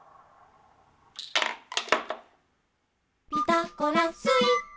「ピタゴラスイッチ」